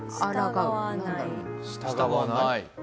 従わない。